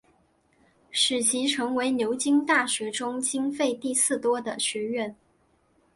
使其成为牛津大学中经费第四多的学院。